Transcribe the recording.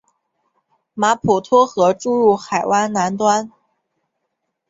马普托河注入海湾南端。